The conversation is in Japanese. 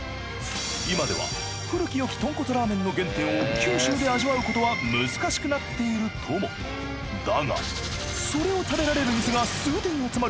今では古きよき豚骨ラーメンの原点を九州で味わうことは難しくなっているともだがそれを食べられる店が数店集まる